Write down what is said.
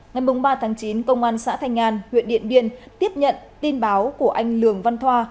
ngày ba tháng chín công an xã thanh an huyện điện biên tiếp nhận tin báo của anh lường văn thoa